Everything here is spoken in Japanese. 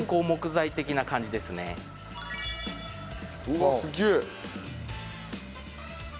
うわあすげえ！